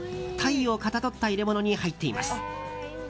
鯛をかたどった入れ物に入っています。